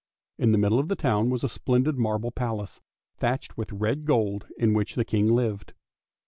In the middle of the town was a splendid marble palace, thatched with red gold, in which the King lived.